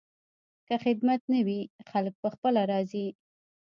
که خدمت ښه وي، خلک پخپله راځي.